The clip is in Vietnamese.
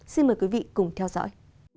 xin mời quý vị cùng theo dõi